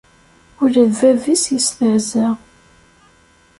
Ula d bab-is yestehza.